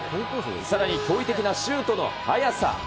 さらに驚異的なシュートの早さ。